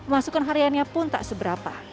masukan hariannya pun tak seberapa